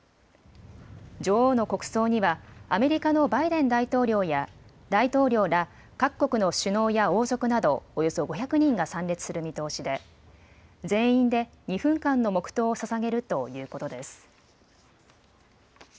女王の国葬にはアメリカのバイデン大統領ら各国の首脳や王族などおよそ５００人が参列する見通しで全員で２分間の黙とうをささげるということです。